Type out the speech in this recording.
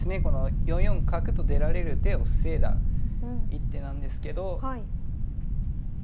４四角と出られる手を防いだ一手なんですけどま